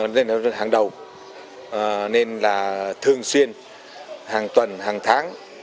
nên là hàng đầu nên là thường xuyên hàng tuần hàng tháng